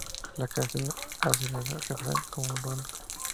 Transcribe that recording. La canción hace el refrán como un rondó.